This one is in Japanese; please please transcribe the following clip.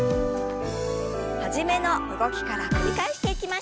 初めの動きから繰り返していきましょう。